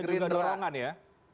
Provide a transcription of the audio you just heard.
dan juga dorongan ya